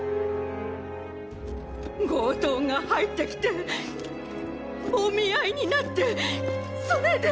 ⁉強盗が入ってきて揉み合いになってそれで！